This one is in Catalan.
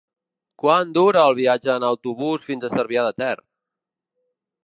Quant dura el viatge en autobús fins a Cervià de Ter?